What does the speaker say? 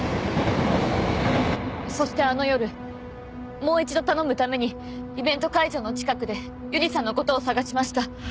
そしてあの夜もう一度頼むためにイベント会場の近くで優里さんの事を探しました。